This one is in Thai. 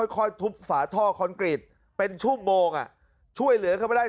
ค่อยทุบฝาท่อคอนกรีตเป็นชั่วโมงช่วยเหลือเข้าไปได้